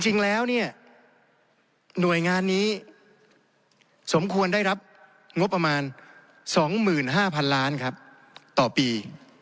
จริงแล้วเนี่ยหน่วยงานนี้สมควรได้รับงบประมาณ๒๕๐๐๐ล้านครับต่อปี